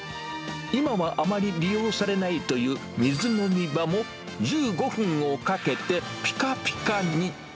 今はあまり利用されないという水飲み場も、１５分をかけて、ぴかぴかに。